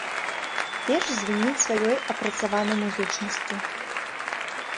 Верш звініць сваёй апрацаванай музычнасцю.